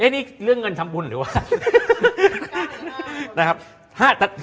นี่เรื่องเงินชำบุญหรือว่า